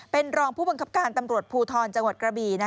เป็นรองผู้บังคับการตำรวจภูทรจังหวัดกระบี